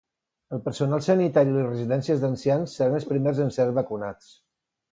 El personal sanitari i les residències d'ancians seran els primers en ser vacunats.